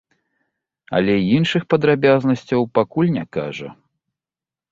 Але іншых падрабязнасцяў пакуль не кажа.